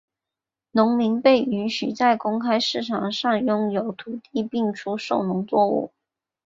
农民被允许在公开市场上拥有土地并出售农作物。